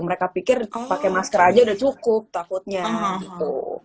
mereka pikir pakai masker aja udah cukup takutnya gitu